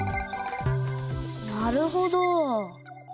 なるほど。